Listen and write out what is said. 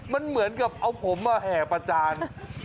มันเหมือนกับเอาผมมาแห่ประจาน